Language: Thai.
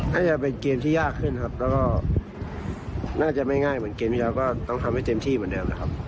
น่าจะเป็นเกมที่ยากขึ้นครับแล้วก็น่าจะไม่ง่ายเหมือนเกมที่แล้วก็ต้องทำให้เต็มที่เหมือนเดิมแหละครับ